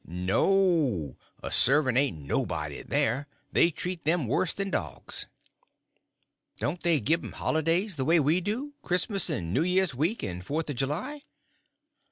"No! A servant ain't nobody there. They treat them worse than dogs." "Don't they give 'em holidays, the way we do, Christmas and New Year's week, and Fourth of July?"